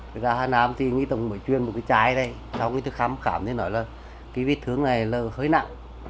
rồi ra hà nam thì nghĩ tổng bởi chuyên một cái chai đây xong rồi người ta khám khám người ta nói là cái vết thương này là hơi nặng